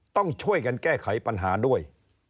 ต้องช่วยกันแก้ไขปัญหาด้วย